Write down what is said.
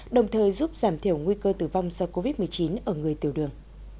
đồng thời giúp giảm thiểu nguy cơ tử vong do covid một mươi chín ở người tiểu đường